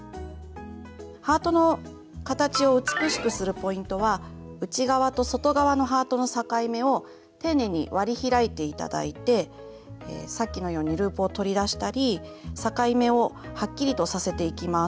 ハートの形を美しくするポイントは内側と外側のハートの境目を丁寧に割り開いて頂いてさっきのようにループを取り出したり境目をはっきりとさせていきます。